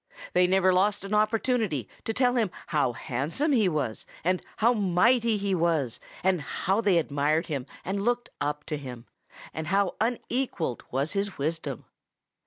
They never lost an opportunity to tell him how handsome he was, and how mighty he was, and how they admired him and looked up to him, and how unequaled was his wisdom.